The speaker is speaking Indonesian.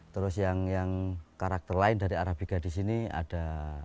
terus yang karakter lain dari arabica di sini ada